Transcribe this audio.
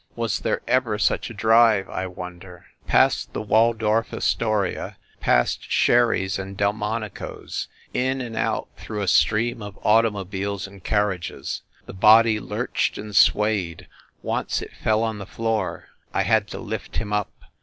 Was there ever such a drive, I wonder ? Past the Waldorf Astoria, past Sherry s and Delmonico s, in and out through a stream of automobiles and car riages ... the body lurched and swayed ... once it fell on the floor I had to lift him up.